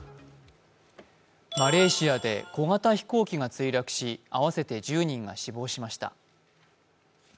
マレーシアで小型飛行機が墜落し合わせて１０人が死亡しました。